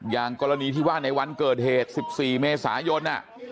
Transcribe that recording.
อย่างกรณีที่ว่าในวันเกิดเหตุ๑๔เมษายน